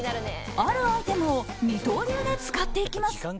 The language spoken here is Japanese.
あるアイテムを二刀流で使っていきます。